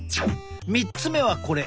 ３つ目はこれ。